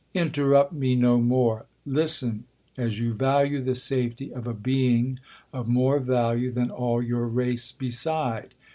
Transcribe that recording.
—'Interrupt me no more,—listen, as you value the safety of a being of more value than all your race beside.